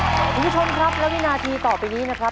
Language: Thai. คุณผู้ชมครับและวินาทีต่อไปนี้นะครับ